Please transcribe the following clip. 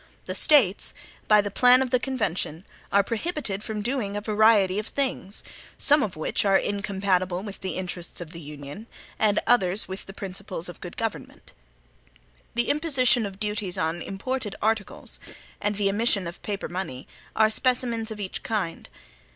The States, by the plan of the convention, are prohibited from doing a variety of things, some of which are incompatible with the interests of the Union, and others with the principles of good government. The imposition of duties on imported articles, and the emission of paper money, are specimens of each kind.